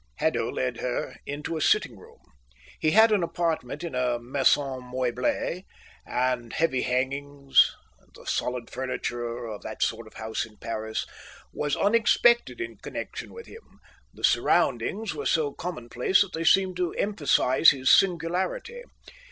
Haddo led her into a sitting room. He had an apartment in a maison meublée, and heavy hangings, the solid furniture of that sort of house in Paris, was unexpected in connexion with him. The surroundings were so commonplace that they seemed to emphasise his singularity.